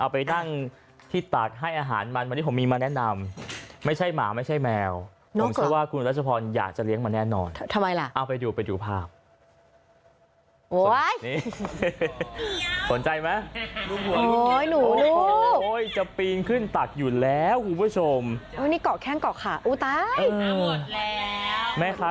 แม่ค้าคนนี้เค้าเลี้ยงอะไรคุณผู้ชม